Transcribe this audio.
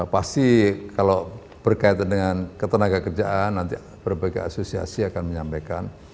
pasti kalau berkaitan dengan ketenaga kerjaan nanti berbagai asosiasi akan menyampaikan